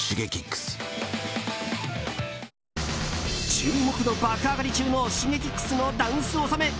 注目度爆上がり中のＳｈｉｇｅｋｉｘのダンス納め。